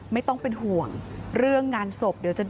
ไม่ต้องเป็นห่วงเรื่องงานสบ